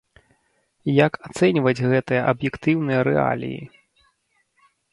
Як ацэньваць гэтыя аб'ектыўныя рэаліі?